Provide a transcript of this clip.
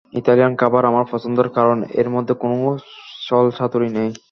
Italian খাবার আমার পছন্দের কারণ এর মধ্যে কোনো ছলচাতুরী নেই।